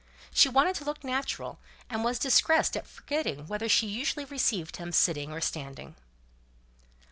She wanted to look natural, and was distressed at forgetting whether she usually received him sitting or standing.